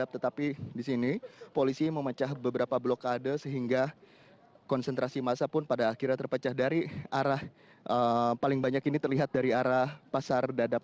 tetapi di sini polisi memecah beberapa blokade sehingga konsentrasi masa pun pada akhirnya terpecah dari arah paling banyak ini terlihat dari arah pasar dadap